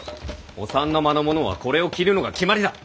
お三の間の者はこれを着るのが決まりだ。